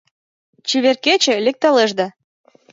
Чевер кече лекталеш да